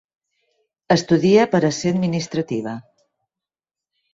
Estudia per a ser administrativa.